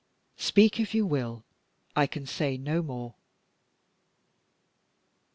Speak if you will I can say no more."